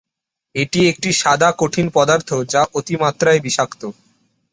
এটি একটি সাদা কঠিন পদার্থ, যা অতি মাত্রায় বিষাক্ত।